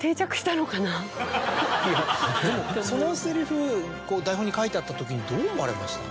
いやでもそのセリフ台本に書いてあったときにどう思われました？